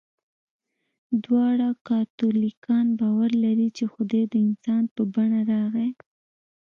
دواړه کاتولیکان باور لري، چې خدای د انسان په بڼه راغی.